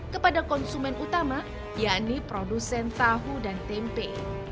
kepada konsumen utama yakni produsen tahu dan tempe